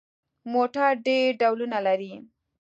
موټر ډېر ډولونه لري.